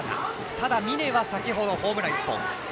ただ、峯は先ほどホームラン１本。